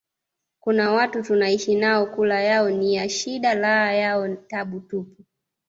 kuna watu tunaishi nao kula yao ni ya shida lala yao tabu tupu